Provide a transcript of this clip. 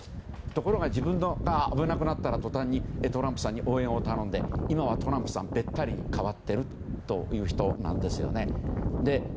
ところが自分が危なくなったら途端にトランプさんに応援を頼んで今はトランプさんべったりに変わっているという人なんですね。